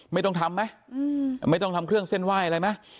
ไม่ต้องทำไหมไม่ต้องทำเครื่องเส้นไหว้อะไรไหม